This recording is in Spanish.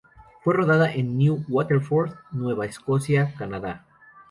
Fue rodada en New Waterford, Nueva Escocia, Canadá.